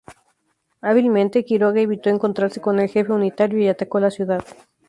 Hábilmente, Quiroga evitó encontrarse con el jefe unitario y atacó la ciudad.